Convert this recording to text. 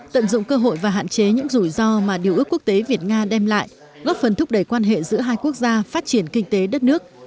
tận dụng cơ hội và hạn chế những rủi ro mà điều ước quốc tế việt nga đem lại góp phần thúc đẩy quan hệ giữa hai quốc gia phát triển kinh tế đất nước